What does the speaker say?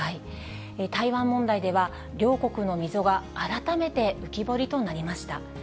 台湾問題では、両国の溝が改めて浮き彫りとなりました。